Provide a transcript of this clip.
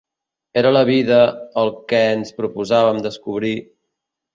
Era la vida el què ens proposàvem descobrir